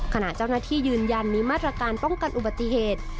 ขณะเจ้าหน้าที่ยืนยันมีมาตรการป้องกันอุบัติเหตุ